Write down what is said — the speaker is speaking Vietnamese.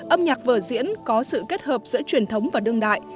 âm nhạc vở diễn có sự kết hợp giữa truyền thống và đương đại